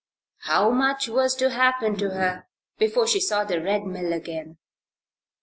How much was to happen to her before she saw the Red Mill again!